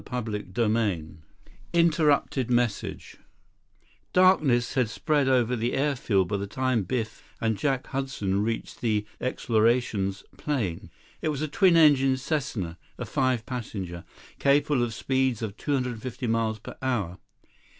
39 CHAPTER VI Interrupted Message Darkness had spread over the airfield by the time Biff and Jack Hudson reached the "Explorations" plane. It was a twin engine Cessna, a five passenger, capable of a speed of 250 miles per hour.